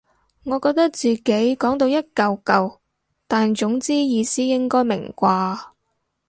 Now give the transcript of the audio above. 我覺得自己講到一嚿嚿但總之意思應該明啩